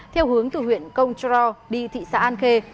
theo hướng từ huyện công tró đi thị xã an khê